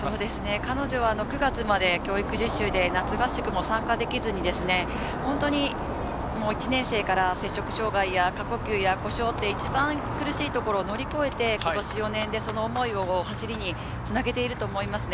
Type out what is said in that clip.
彼女は９月まで教育実習で夏合宿も参加できず、１年生から摂食障害や過呼吸や故障、一番苦しいをところ乗り越えて、今年４年でその思いを走りにつなげていると思います。